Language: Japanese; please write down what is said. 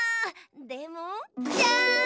でもジャン！